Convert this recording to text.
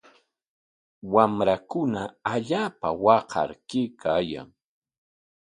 Wamrakuna allaapa waqar kaykaayan.